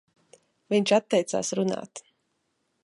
Viņš atteicās runāt.